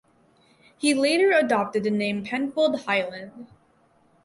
He later adopted the name Penfold Hyland.